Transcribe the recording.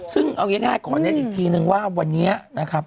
ซึ่งเอาอย่างงี้หน่อยขอแนะอีกทีนึงว่าวันนี้นะครับ